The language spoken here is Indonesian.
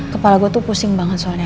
kepala gue tuh pusing banget soalnya